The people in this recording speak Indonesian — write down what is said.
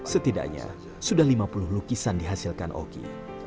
setidaknya sudah lima puluh lukisan dihasilkan oki